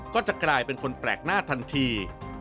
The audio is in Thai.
ก็จะกลายเป็นคนแปลกหน้าทันที